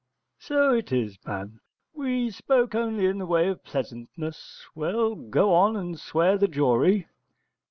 _ So it is, man: we spoke only in the way of pleasantness. Well, go on and swear the jury.